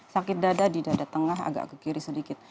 sakit dada di dada tengah agak ke kiri sedikit